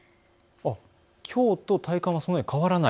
きょうと体感はそんなに変わらない。